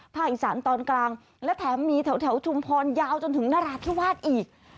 อีสานตอนกลางและแถมมีแถวชุมพรยาวจนถึงนราธิวาสอีก